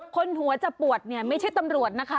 คนหัวจะปวดเนี่ยไม่ใช่ตำรวจนะคะ